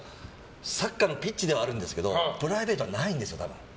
サッカーのピッチではあるんですけどプライベートはないんですよ。